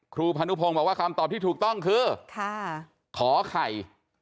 พานุพงศ์บอกว่าคำตอบที่ถูกต้องคือขอไข่